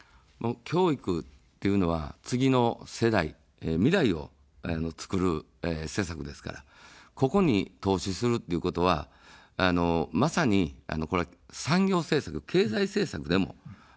教育というのは次の世代、未来をつくる施策ですから、ここに投資するということは、まさに、産業政策、経済政策でもあるわけです。